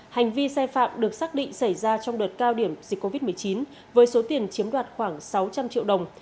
hành vi sai phạm được xác định xảy ra trong đợt cao điểm dịch covid một mươi chín với số tiền chiếm đoạt khoảng sáu trăm linh triệu đồng